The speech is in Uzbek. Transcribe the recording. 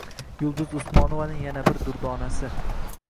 Yulduz Usmonovaning yana bir "durdonasi"